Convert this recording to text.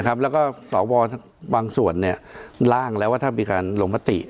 นะครับแล้วก็สอบวางส่วนเนี่ยร่างแล้วว่าถ้ามีการหลงปฏิ